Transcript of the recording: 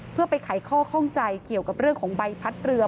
เพื่อไปไขข้อข้องใจเกี่ยวกับเรื่องของใบพัดเรือ